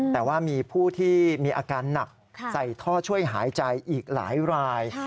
แต่ว่ามีผู้ที่มีอาการหนักใส่ท่อช่วยหายใจอีกหลายราย